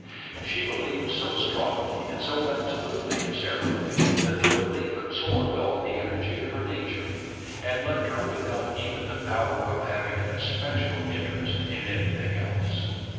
She believed so strongly and so absolutely in Sarah that the belief absorbed all the energy of her nature and left her without even the power of having an especial interest in anything else.